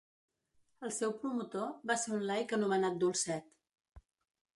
El seu promotor va ser un laic anomenat Dolcet.